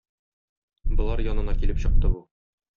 Болар янына килеп чыкты бу.